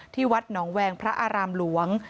วัดหนองแวงพระอารามหลวง